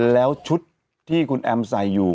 แล้วชุดที่คุณแอมใส่อยู่